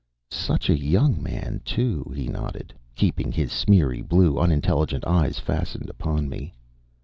"Such a young man, too!" he nodded, keeping his smeary blue, unintelligent eyes fastened upon me.